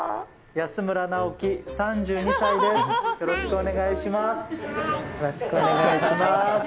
安村直樹３２歳です。